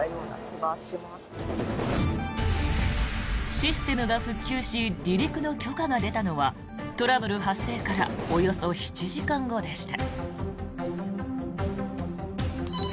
システムが復旧し離陸の許可が出たのはトラブル発生からおよそ７時間後でした。